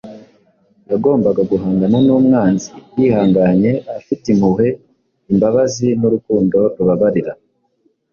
yagombaga guhangana n’umwanzi yihanganye, afite impuhwe, imbabazi n’urukundo rubabarira.